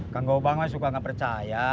kang gobang suka gak percaya